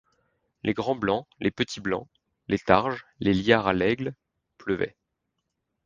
Les grands-blancs, les petits-blancs, les targes, les liards-à-l’aigle pleuvaient.